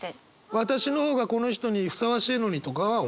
私の方がこの人にふさわしいのにとかは思わない？